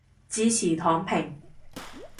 支持躺平